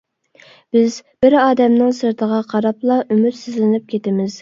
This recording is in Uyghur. بىز بىر ئادەمنىڭ سىرتىغا قاراپلا ئۈمىدسىزلىنىپ كېتىمىز.